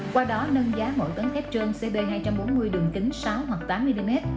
qua đó nâng giá mỗi tấn thép trơn cd hai trăm bốn mươi đường kính sáu hoặc tám mm